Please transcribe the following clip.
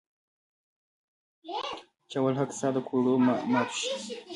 چې اول حق ستا د ګوډو ماتو شي.